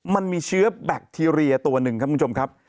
มันมีเชื้อแบคทีเรียตัวหนึ่งครับคุณผู้ชมครับ